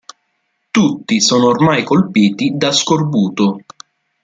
Tutti sono ormai colpiti da scorbuto.